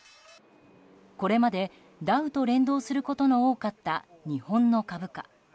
これまで、ダウと連動することの多かった日本の株価。